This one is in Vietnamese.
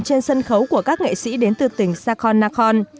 trên sân khấu của các nghệ sĩ đến từ tỉnh sakon nakhon